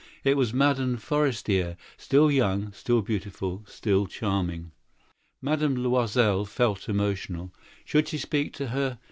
It was Madame Forestier, still young, still beautiful, still charming. Madame Loisel felt moved. Should she speak to her?